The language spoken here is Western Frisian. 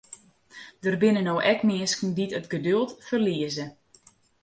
Der binne no ek minsken dy't it geduld ferlieze.